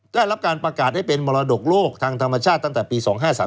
ได้รับการประกาศให้เป็นมรดกโลกทางธรรมชาติตั้งแต่ปี๒๕๓